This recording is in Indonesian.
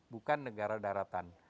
bukan negara daratan